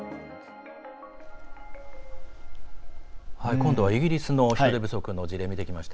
今度はイギリスの人手不足の事例を見てきました。